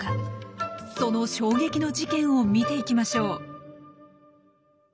その衝撃の事件を見ていきましょう。